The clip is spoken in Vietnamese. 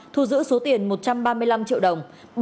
thu giữ số tiền một trăm ba mươi năm triệu đồng